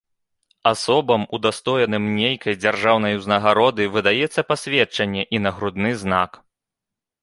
Асобам, удастоеным нейкай дзяржаўнай узнагароды, выдаецца пасведчанне і нагрудны знак.